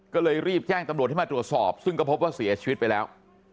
ก็เลยรีบแจ้งตำรวจให้มาตรวจสอบซึ่งก็พบว่าเสียชีวิตไปแล้ว